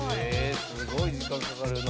すごい時間かかるよな